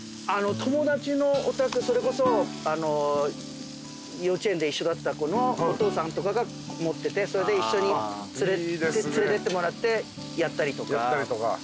友達のお宅それこそ幼稚園で一緒だった子のお父さんとかが持っててそれで一緒に連れてってもらってやったりとか。